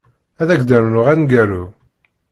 Ad ak-d-rnuɣ aneggaru.